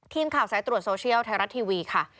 สายตรวจโซเชียลไทยรัฐทีวีค่ะ